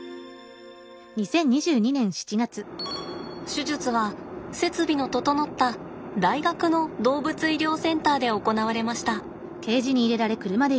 手術は設備の整った大学の動物医療センターで行われました。